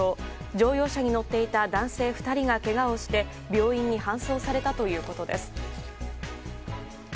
乗用車に乗っていた男性２人がけがをして病院に搬送されたということです。